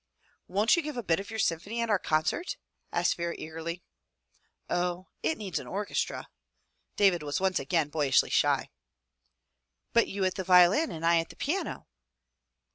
"Won't you give a bit of your symphony at our concert?" asked Vera eagerly. "Oh, it needs an orchestra!'* David was once again boy ishly shy. "But you at the violin and I at the piano."